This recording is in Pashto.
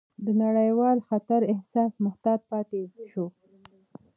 د نړیوال خطر احساس محتاط پاتې شو،